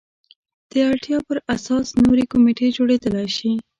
د اړتیا پر اساس نورې کمیټې جوړېدای شي.